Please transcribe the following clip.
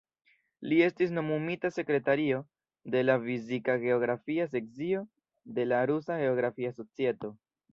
Li estis nomumita sekretario de la Fizika Geografia sekcio de la Rusa Geografia Societo.